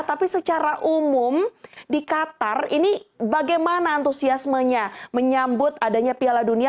tapi secara umum di qatar ini bagaimana antusiasmenya menyambut adanya piala dunia